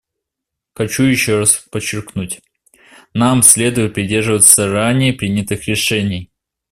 Хочу еще раз подчеркнуть: нам следует придерживаться ранее принятых решений.